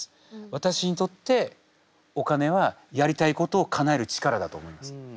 私にとってお金はやりたいことをかなえる力だと思います。